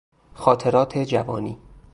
خاطرات جوانی